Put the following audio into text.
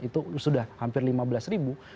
itu sudah hampir lima belas ribu